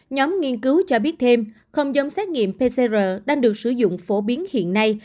nhóm nghiên cứu cho biết thêm không giống xét nghiệm pcr đang được sử dụng phổ biến hiện nay